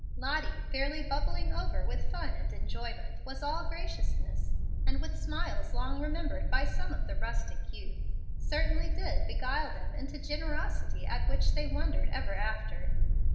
Lottie, fairly bubbling over with fun and enjoyment, was all graciousness, and with smiles long remembered by some of the rustic youth, certainly did beguile them into generosity at which they wondered ever after.